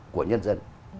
của nhân dân